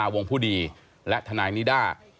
วงผู้ดีและทนายนิด้า